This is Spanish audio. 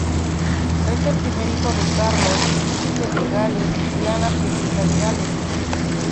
Es el primer hijo de Carlos, príncipe de Gales, y Diana, princesa de Gales.